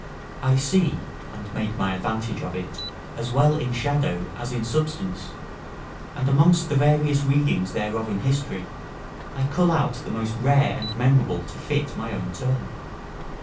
I see, and make my advantage of it, as well in shadow as in substance; and amongst the various readings thereof in history, I cull out the most rare and memorable to fit my own turn.